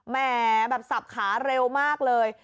แหมแบบสับขาเร็วมากเลย